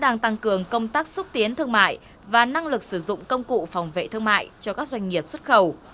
đang tăng cường công tác xúc tiến thương mại và năng lực sử dụng công cụ phòng vệ thương mại cho các doanh nghiệp xuất khẩu